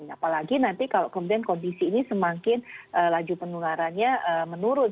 apalagi nanti kalau kemudian kondisi ini semakin laju penularannya menurun